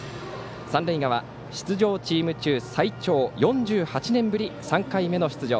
三塁側、出場チーム中最長４８年ぶり３回目の出場